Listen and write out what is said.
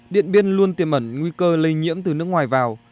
điện biên luôn tiềm ẩn nguy cơ lây nhiễm từ nước ngoài vào